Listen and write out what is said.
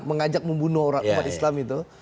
mengajak membunuh orang orang islam itu